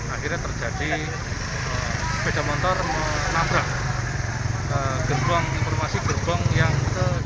akhirnya terjadi sepeda motor menabrak informasi gerbong yang